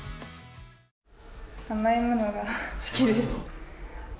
甘いものが好きです。